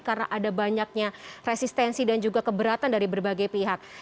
karena ada banyaknya resistensi dan juga keberatan dari berbagai pihak